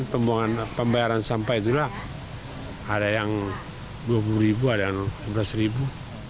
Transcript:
cuman pembayaran sampah itulah ada yang dua puluh ribu ada yang lima belas ribu